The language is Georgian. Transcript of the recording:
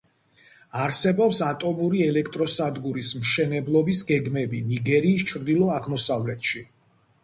არსებობს ატომური ელექტროსადგურის მშენებლობის გეგმები ნიგერიის ჩრდილო-აღმოსავლეთში.